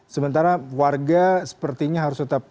sementara warga sepertinya harus tetap